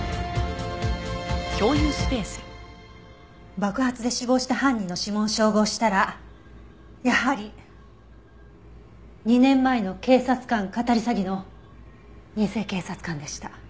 爆発で死亡した犯人の指紋を照合したらやはり２年前の警察官かたり詐欺の偽警察官でした。